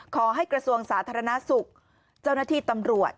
กระทรวงสาธารณสุขเจ้าหน้าที่ตำรวจ